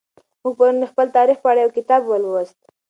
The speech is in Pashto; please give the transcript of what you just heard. موږ پرون د خپل تاریخ په اړه یو کتاب ولوست.